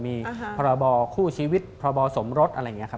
มีพรบคู่ชีวิตพรบสมรสอะไรอย่างนี้ครับ